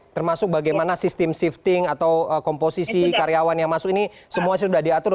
termasuk bagaimana sistem shifting atau komposisi karyawan yang masuk ini semua sudah diatur